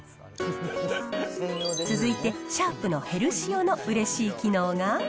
続いて、シャープのヘルシオのうれしい機能が。